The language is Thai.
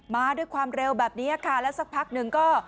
มาด้วยความเร็วแบบนี้ค่ะแล้วสักพักหนึ่งก็